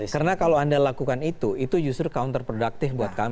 karena kalau anda lakukan itu itu justru counterproductive buat kami